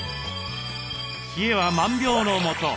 冷えは万病のもと。